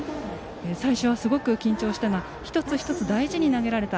最初はすごく緊張したが一つ一つを大事に投げられた。